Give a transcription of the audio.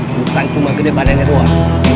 bukan cuma gede badannya doang